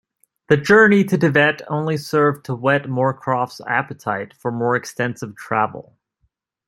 The journey to Tibet only served to whet Moorcroft's appetite for more extensive travel.